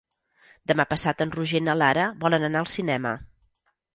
Demà passat en Roger i na Lara volen anar al cinema.